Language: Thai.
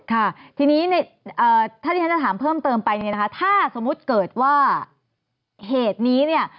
ค่ะทีนี้ถ้าที่ฉันจะถามเพิ่มเติมไปเนี่ยนะคะถ้าสมมุติเกิดว่าเหตุนี้เนี่ย